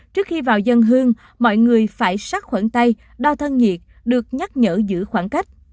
trước khi vào dân hương mọi người phải sát khuẩn tay đo thân nhiệt được nhắc nhở giữ khoảng cách